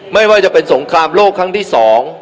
ไม่ว่าจะเป็นสงครามโลกครั้งที่สอง